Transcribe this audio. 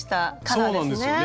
そうなんですよね。